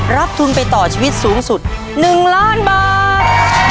รับทุนไปต่อชีวิตสูงสุด๑ล้านบาท